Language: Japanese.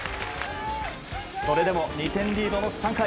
それでも２点リードの３回。